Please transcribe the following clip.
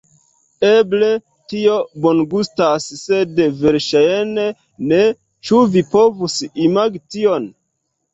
Eble, tio bongustas sed verŝajne ne... ĉu vi povus imagi tion?